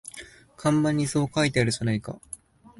看板にそう書いてあるじゃないか